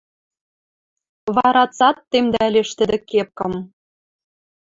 Вара цат темдӓлеш тӹдӹ кепкым